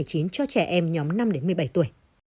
cho trẻ em nhóm năm một mươi bảy tuổi